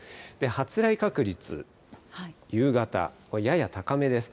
発雷確率、夕方、これ、やや高めです。